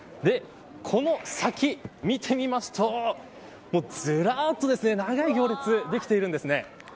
この先、見てみますとずらっと長い行列できているんです。